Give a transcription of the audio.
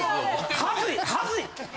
ハズい！